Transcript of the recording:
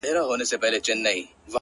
که بېله مينې د ليلا تصوير په خوب وويني!!